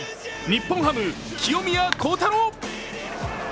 日本ハム・清宮幸太郎。